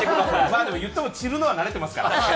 まあでもいっても散るのは慣れてますから。